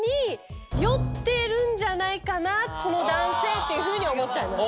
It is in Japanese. っていうふうに思っちゃいました。